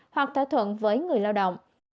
hoặc thỏa thuận với người lao động